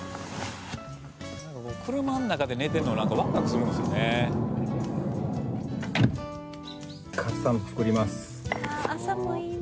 「車の中で寝てるのワクワクするんですよね」